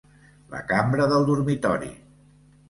La cambra del dormitori.